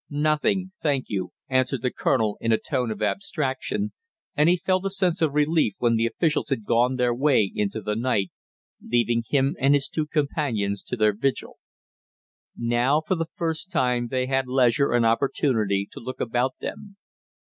"Nothing, thank you," answered the colonel in a tone of abstraction, and he felt a sense of relief when the officials had gone their way into the night, leaving him and his two companions to their vigil. Now for the first time they had leisure and opportunity to look about them.